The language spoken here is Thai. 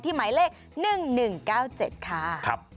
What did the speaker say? หมายเลข๑๑๙๗ค่ะ